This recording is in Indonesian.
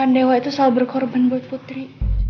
dewa itu selalu berkorban buat putri